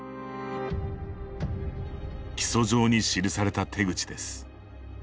起訴状に記された手口です。